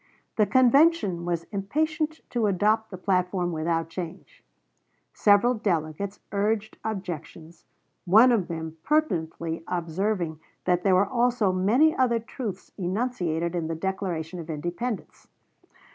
The convention was impatient to adopt the platform without change; several delegates urged objections, one of them pertinently observing that there were also many other truths enunciated in the Declaration of Independence.